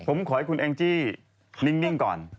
ผมขอให้คุณแองจี้นิ่งก่อน